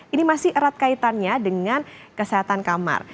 ini masih erat kaitannya dengan kesehatan kamar